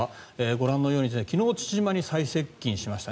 ご覧のように昨日、父島に最接近しました。